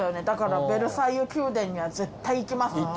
だからヴェルサイユ宮殿には絶対行きます。